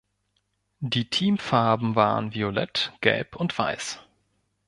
Die Teamfarben waren violett, gelb und weiß.